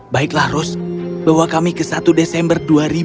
baiklah rose bawa kami ke satu desember dua ribu lima belas